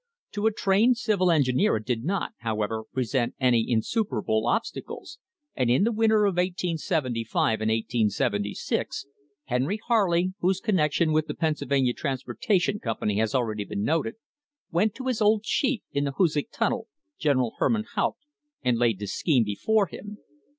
To a trained civil engineer it did not, however, present any insuperable obsta cles, and in the winter of 1875 anc * 1876 Henry Harley, whose connection with the Pennsylvania Transportation Com pany has already been noted, went to his old chief in the Hoo sac Tunnel, General Herman Haupt, and laid the scheme before him.